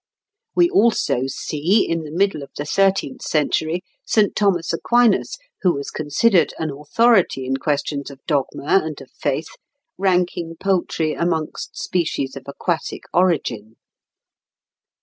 We also see, in the middle of the thirteenth century, St. Thomas Aquinas, who was considered an authority in questions of dogma and of faith, ranking poultry amongst species of aquatic origin.